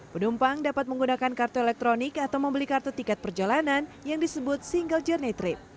penumpang dapat menggunakan kartu elektronik atau membeli kartu tiket perjalanan yang disebut single journey thrip